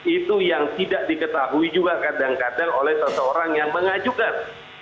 itu yang tidak diketahui juga kadang kadang oleh seseorang yang mengajukan